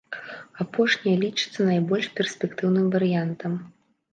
Апошняя лічыцца найбольш перспектыўным варыянтам.